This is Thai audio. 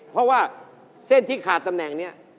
เพราะว่าเส้นที่ขาดตำแหน่งนี้